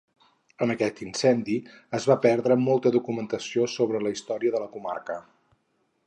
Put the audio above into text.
En aquest incendi es va perdre molta documentació sobre la història de la comarca.